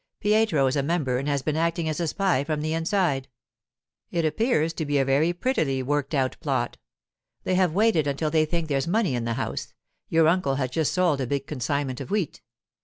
Pietro is a member and has been acting as a spy from the inside. It appears to be a very prettily worked out plot. They have waited until they think there's money in the house; your uncle has just sold a big consignment of wheat.